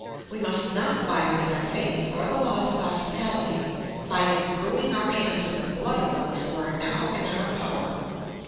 We must not violate our faith or the laws of hospitality by imbruing our hands in the blood of those who are now in our power.